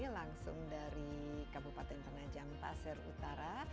langsung dari kabupaten penajam pasir utara